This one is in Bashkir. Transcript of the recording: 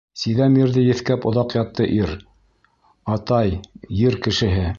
Сиҙәм ерҙе еҫкәп оҙаҡ ятты ир, атай, ер кешеһе.